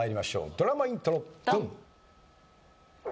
ドラマイントロドン！